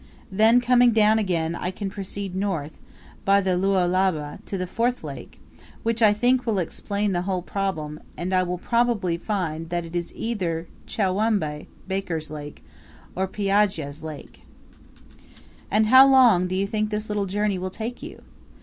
Then, coming down again, I can proceed north, by the Lualaba, to the fourth lake which, I think, will explain the whole problem; and I will probably find that it is either Chowambe (Baker's lake), or Piaggia's lake. "And how long do you think this little journey will take you?"